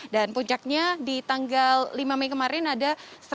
dan puncaknya di tanggal lima mei kemarin ada